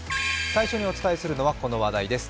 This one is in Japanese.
最初にお伝えするのは、この話題です。